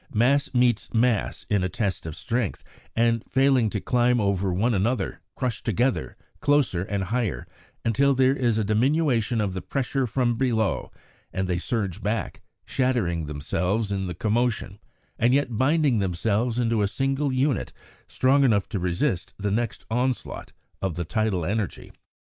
Mass meets mass in a test of strength, and, failing to climb over one another, crush together, closer and higher, until there is a diminution of the pressure from below and they surge back, shattering themselves in the commotion and yet binding themselves into a single unit strong enough to resist the next onslaught of the tidal energy.